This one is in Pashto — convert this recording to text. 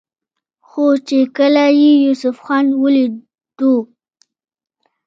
خو چې کله يې يوسف خان وليدو